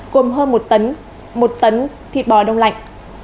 gồm hơn một tấn thịt bò đông lạnh